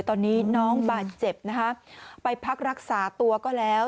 ตอนนี้น้องบาดเจ็บนะคะไปพักรักษาตัวก็แล้ว